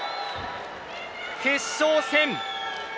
決勝戦